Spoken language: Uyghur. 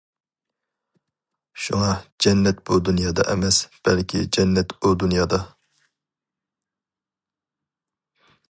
شۇڭا جەننەت بۇ دۇنيادا ئەمەس، بەلكى جەننەت ئۇ دۇنيادا.